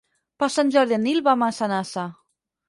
Per Sant Jordi en Nil va a Massanassa.